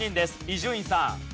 伊集院さん。